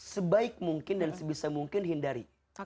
sebaik mungkin dan sebisa mungkin hindari